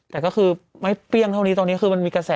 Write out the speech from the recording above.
แต่ก็คือไม่เปรี้ยงเท่านี้ตอนนี้คือมันมีกระแส